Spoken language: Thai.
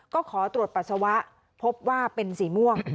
ก็ขอตรวจปัสสาวะพบว่าเป็นสีม่วง